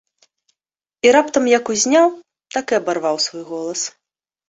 І раптам як узняў, так і абарваў свой голас.